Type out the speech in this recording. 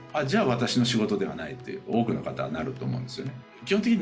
私の仕事ではないって多くの方はなると思うんですよね。